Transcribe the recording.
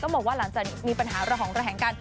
ต้องบอกว่าหลังจากมีปัญหาเราหอมก็แหล่งกัน